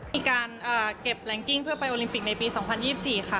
มีการเก็บแรงกิ้งเพื่อไปโอลิมปิกในปี๒๐๒๔ค่ะ